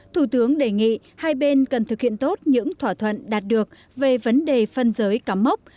thủ tướng đề nghị hai bên cần thực hiện tốt những thỏa thuận đạt được về vấn đề phân giới cắm mốc